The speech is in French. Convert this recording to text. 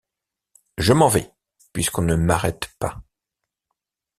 Je m’en vais, puisqu’on ne m’arrête pas.